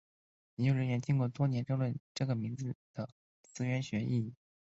研究人员经多年争论这个名字的词源学意义。